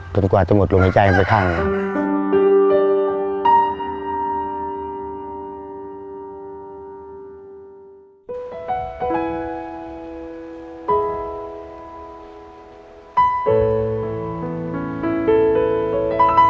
จนกว่าจะหมดลมหายใจกันไปข้างหน้า